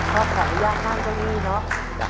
พ่อขออย่างข้างตรงนี้เนอะ